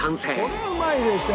これうまいでしょ。